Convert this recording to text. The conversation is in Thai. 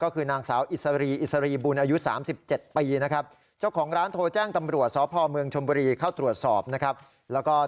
ขณะที่นางสาววันเพล